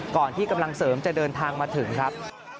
ก่อนที่กำลังเสริมจะเดินทางมาถึงครับ